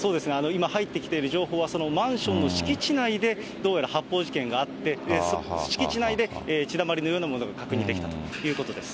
今入ってきている情報は、そのマンションの敷地内で、どうやら発砲事件があって、敷地内で血だまりのようなものが確認できたということです。